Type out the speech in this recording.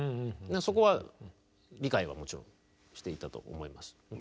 そこは理解はもちろんしていたと思います。